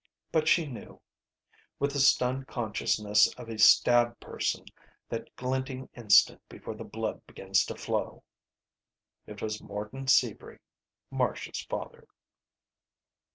But she knew. With the stunned consciousness of a stabbed person that glinting instant before the blood begins to flow. It was Morton Sebree Marcia's father.